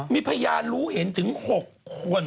มีพยานรู้เห็นถึง๖คน